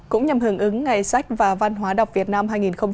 cũng nhằm hưởng ứng ngày sách và văn hóa đọc việt nam hai nghìn hai mươi bốn